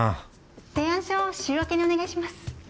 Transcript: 提案書週明けにお願いします！